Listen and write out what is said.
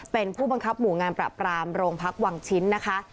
เป็นผู้บังคับหมู่งานประปรามโรงพักวังชิ้นนะคะ